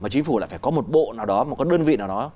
chính phủ phải có một bộ nào đó một đơn vị nào đó